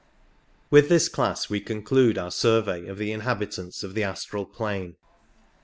With this class we conclude our survey of the inhabitants of the astral plane.